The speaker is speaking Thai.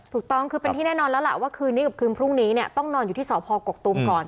ถูกต้องคือเป็นที่แน่นอนแล้วล่ะว่าคืนนี้กับคืนพรุ่งนี้เนี่ยต้องนอนอยู่ที่สพกกตูมก่อน